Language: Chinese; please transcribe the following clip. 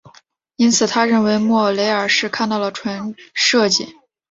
因此他认为莫雷尔是看到了蜃景。